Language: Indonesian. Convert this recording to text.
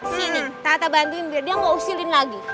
sini tata bantuin biar dia gak usilin lagi